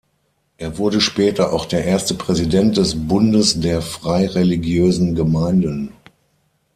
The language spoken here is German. Er wurde später auch der erste Präsident des Bundes der Freireligiösen Gemeinden.